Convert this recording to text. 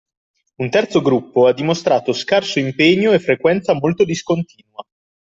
Un terzo gruppo ha dimostrato scarso impegno e frequenza molto discontinua